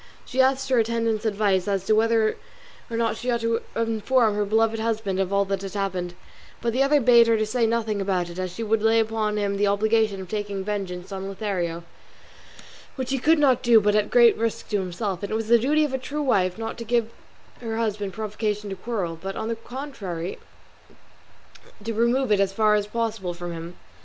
She asked her attendant's advice as to whether or not she ought to inform her beloved husband of all that had happened, but the other bade her say nothing about it, as she would lay upon him the obligation of taking vengeance on Lothario, which he could not do but at great risk to himself; and it was the duty of a true wife not to give her husband provocation to quarrel, but, on the contrary, to remove it as far as possible from him.